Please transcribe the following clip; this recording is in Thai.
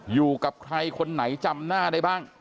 อยู่กับใครคนไหนจำหน้าได้บ้าง